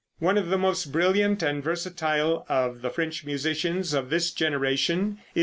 One of the most brilliant and versatile of the French musicians of this generation is M.